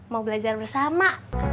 mau belajar bersama